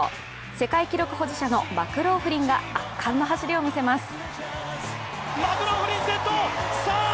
世界記録保持者のマクローフリンが圧巻の走りを見せます。